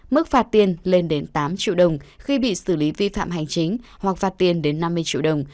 mức phạt tiền lên đến tám triệu đồng khi bị xử lý vi phạm hành chính hoặc phạt tiền đến năm mươi triệu đồng